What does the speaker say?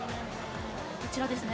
こちらですね。